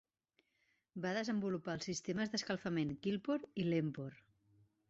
Va desenvolupar els sistemes d'escapament Kylpor i Lempor.